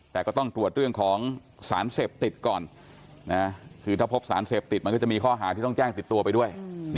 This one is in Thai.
แต่ก็ต้องตรวจเรื่องของสารเสพติดก่อนคือถ้าพบสารเสพติดมันก็จะมีข้อหาที่ต้องแจ้งติดตัวไปด้วย